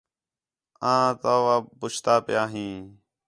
آں تَو وا پُچھدا پیاں ہیں